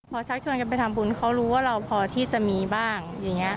พอชักชวนกันไปทำบุญเขารู้ว่าเราพอที่จะมีบ้างอย่างนี้